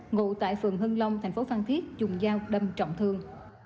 ngụ tại phường hưng long thành phố phan thiết dùng dao đâm trọng thương